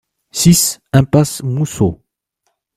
six impasse Mousseau